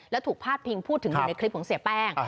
แล้วถูกพาดพิงพูดถึงอยู่ในคลิปของเสียแป้ง